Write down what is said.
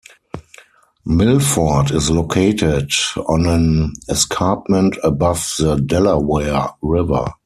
Milford is located on an escarpment above the Delaware River.